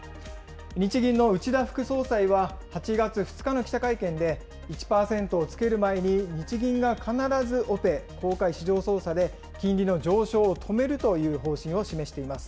日銀の内田副総裁は、８月２日の記者会見で１％をつける前に日銀が必ずオペ、公開市場操作で金利の上昇を止めるという方針を示しています。